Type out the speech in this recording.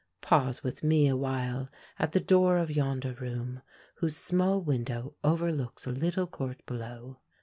Pause with me a while at the door of yonder room, whose small window overlooks a little court below.